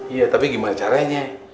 iya tapi gimana caranya